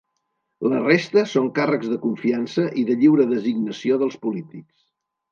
La resta són càrrecs de confiança i de lliure designació dels polítics.